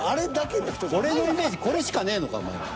俺のイメージこれしかねぇのかお前は。